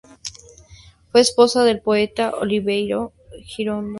Fue esposa del poeta Oliverio Girondo.